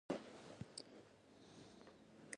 له لمر راختلو سره که څه هم طوفاني باد چلېده.